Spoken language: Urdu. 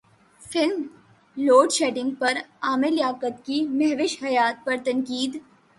فلم لوڈ ویڈنگ پر عامر لیاقت کی مہوش حیات پر تنقید